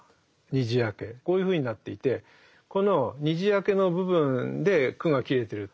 ２字空けこういうふうになっていてこの２字空けの部分で句が切れてる。